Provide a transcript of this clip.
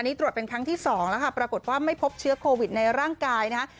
ตรวจเป็นครั้งที่สองแล้วค่ะปรากฏว่าไม่พบเชื้อโควิดในร่างกายนะฮะ